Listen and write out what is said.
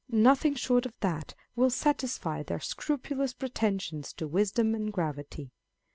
Nothing short of that will satisfy their scrupulous pretensions to wisdom and gravity.